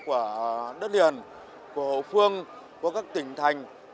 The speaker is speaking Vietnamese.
mang những kết quả đó của đất liền của hậu phương của các tỉnh thành